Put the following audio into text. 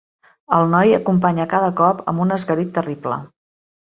El noi acompanya cada cop amb un esgarip terrible.